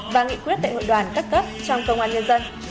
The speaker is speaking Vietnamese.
và nghị quyết đại hội đoàn các cấp trong công an nhân dân